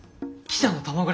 記者の卵か。